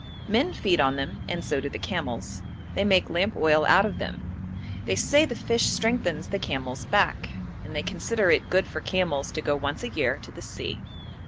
Men feed on them and so do the camels; they make lamp oil out of them; they say the fish strengthens the camel's back, and they consider it good for camels to go once a year to the sea.